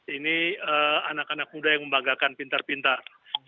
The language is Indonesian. ini anak anak muda yang membanggakan pintar pintar